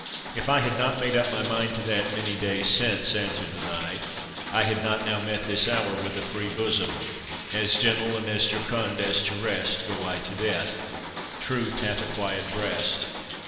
"If I had not made up my mind to that many days since," answered the knight, "I had not now met this hour with a free bosom— 'As gentle and as jocund as to rest, Go I to death—truth hath a quiet breast.